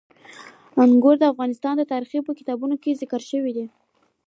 انګور د افغان تاریخ په کتابونو کې ذکر شوي دي.